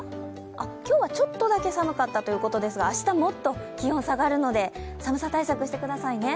今日はちょっとだけ寒かったということですが、明日、もっと気温下がるので寒さ対策してくださいね。